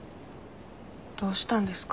どうしたんですか？